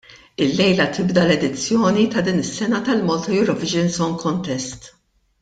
Ilejla tibda l-edizzjoni ta' din is-sena tal-Malta Eurovision Song Contest.